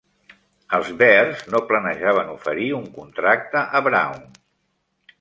Els Bears no planejaven oferir un contracte a Brown.